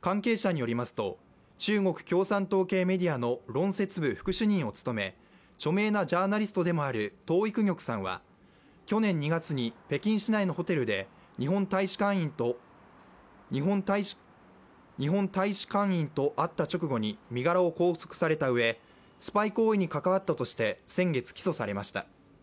関係者によりますと中国共産党系メディアの論説部副主任を務め著名なジャーナリストでもある董郁玉さんは去年２月に北京市内のホテルで日本大使館員と会った直後に身柄を拘束されたうえ、スパイ行為に関わったとして先月起訴されました。